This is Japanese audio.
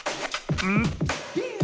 うん。